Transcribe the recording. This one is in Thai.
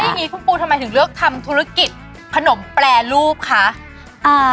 อย่างงี้คุณปูทำไมถึงเลือกทำธุรกิจขนมแปรรูปคะอ่า